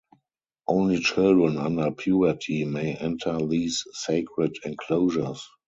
Only children under puberty may enter these sacred enclosures.